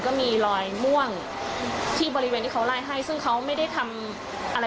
ก็มีรอยม่วงที่บริเวณที่เขาไล่ให้ซึ่งเขาไม่ได้ทำอะไร